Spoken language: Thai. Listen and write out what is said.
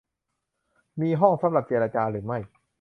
มีห้องสำหรับเจรจาหรือไม่